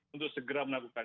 untuk segera melakukan